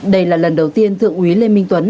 đây là lần đầu tiên thượng úy lê minh tuấn